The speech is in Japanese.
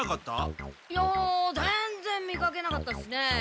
いやぜんぜん見かけなかったっすね。